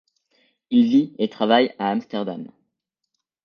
Il vit et travaille à Amsterdam.